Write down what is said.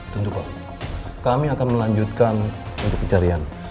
tentu pak kami akan melanjutkan untuk pencarian